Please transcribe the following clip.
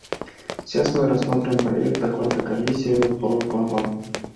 Сейчас мы рассмотрим проект доклада Комиссии по главам.